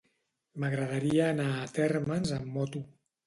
M'agradaria anar a Térmens amb moto.